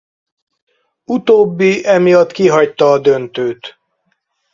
Utóbbi emiatt kihagyta a döntőt.